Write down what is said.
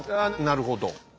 なるほど。